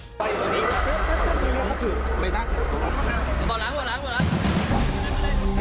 มุมมากเลย